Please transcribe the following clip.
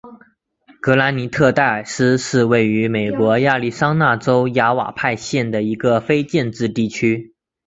格兰尼特戴尔斯是位于美国亚利桑那州亚瓦派县的一个非建制地区。